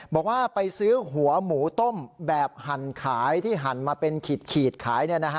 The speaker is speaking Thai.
บอกว่าไปซื้อหัวหมูต้มแบบหั่นขายที่หั่นมาเป็นขีดขาย